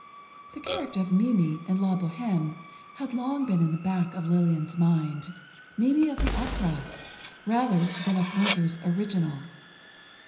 The character of Mimi, in "La Bohême," had long been in the back of Lillian's mind—Mimi of the opera, rather than of Murger's original.